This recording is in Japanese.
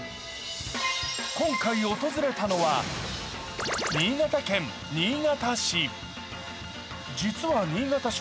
今回訪れたのは新潟県新潟市。